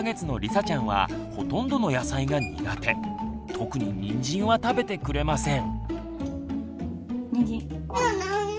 特ににんじんは食べてくれません。